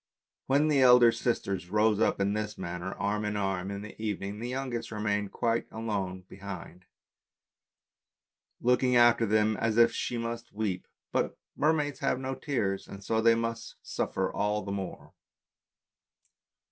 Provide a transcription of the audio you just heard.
When the elder sisters rose up in this manner, arm in arm, in the evening, the youngest remained behind quite alone, looking after them as if she must weep, but mermaids have no tears and so they suffer all the more.